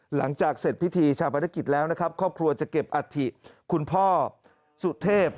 หลังจากเสร็จพิธีชาปนกิจแล้วนะครับครอบครัวจะเก็บอัฐิคุณพ่อสุเทพ